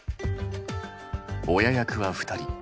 親役は２人。